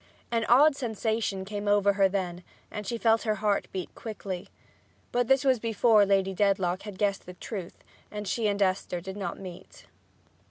An odd sensation came over her then and she felt her heart beat quickly. But this was before Lady Dedlock had guessed the truth, and Esther and she did not meet.